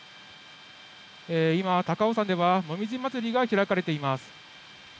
今、高尾山では、もみじまつりが開かれています。